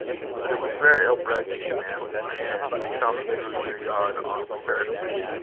But it was verra ill bred to you, mem, I ken, to come throu your yaird ohn speirt leave.